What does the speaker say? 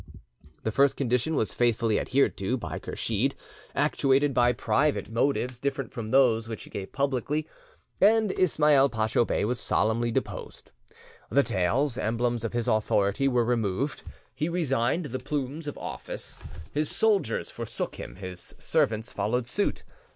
The first condition was faithfully adhered to by Kursheed, actuated by private motives different from those which he gave publicly, and Ismail Pacho Bey was solemnly deposed. The tails, emblems of his authority, were removed; he resigned the plumes of office; his soldiers forsook him, his servants followed suit.